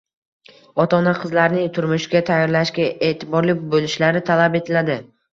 Ota-ona qizlarini turmushga tayyorlashga e’tiborli bo‘lishlari talab etiladi.